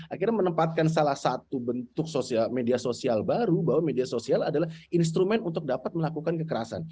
akhirnya menempatkan salah satu bentuk media sosial baru bahwa media sosial adalah instrumen untuk dapat melakukan kekerasan